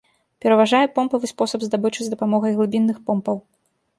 Пераважае помпавы спосаб здабычы з дапамогай глыбінных помпаў.